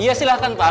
iya silahkan pak